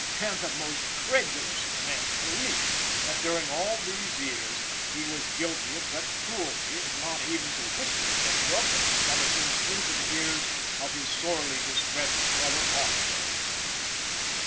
Can the most credulous of men believe that, during all these years, he was guilty of such cruelty as not even to whisper such welcome intelligence into the ears of his sorely distressed brother officer?